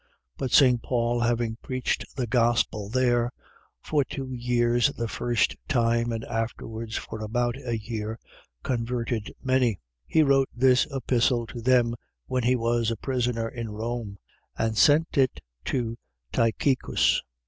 But St. Paul having preached the Gospel there, for two years the first time and afterwards for about a year, converted many. He wrote this Epistle to them when he was a prisoner in Rome; and sent it by Tychicus.